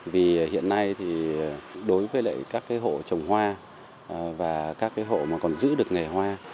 vì hiện nay thì đối với các hộ trồng hoa và các hộ mà còn giữ được nghề hoa